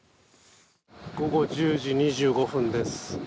午後１０時２５分です。